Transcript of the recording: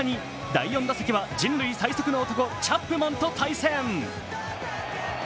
第４打席は人類最速の男・チャップマンと対戦。